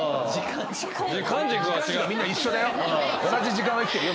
同じ時間を生きてるよ